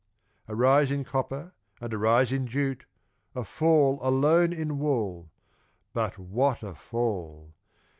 A rise in copper and a rise in jute, A fall alone in wool but what a fall!